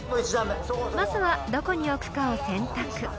［まずはどこに置くかを選択］